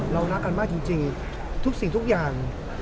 รักกันมากจริงทุกสิ่งทุกอย่าง